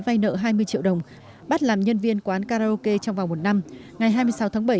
vay nợ hai mươi triệu đồng bắt làm nhân viên quán karaoke trong vòng một năm ngày hai mươi sáu tháng bảy